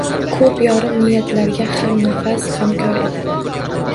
Ko‘p yorug‘ niyatlarga hamnafas, hamkor edi